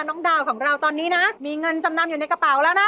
น้องดาวของเราตอนนี้นะมีเงินจำนำอยู่ในกระเป๋าแล้วนะ